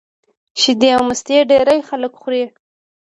شیدې او مستې ډېری خلک خوري